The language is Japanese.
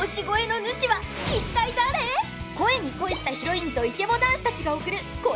声に恋したヒロインとイケボ男子達が送る声